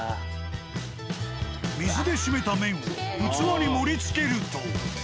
水で締めた麺を器に盛りつけると。